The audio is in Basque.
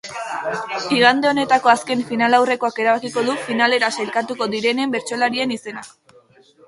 Igande honetako azken finalaurrekoak erabakiko du finalera sailkatuko direnenen bertsolarien izenak.